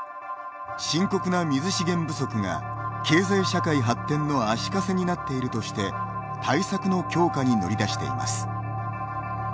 深刻な水資源不足が経済社会発展の足かせになっているとして対策の強化に乗り出しています。